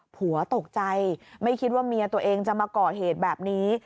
ผัวตกใจไม่คิดว่าเมียตัวเองจะมาก่อเหตุแบบนี้